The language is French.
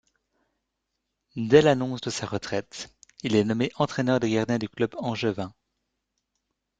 Dès l'annonce de sa retraite, il est nommé entraîneur des gardiens du club angevin.